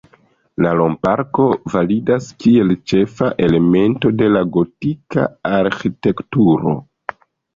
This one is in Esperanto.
La romp-arko validas kiel ĉefa elemento de la gotika arĥitekturo.